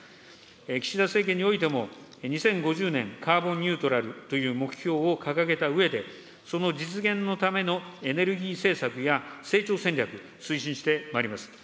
岸田政権においても、２０５０年カーボンニュートラルという目標を掲げたうえで、その実現のためのエネルギー政策や、成長戦略、推進してまいります。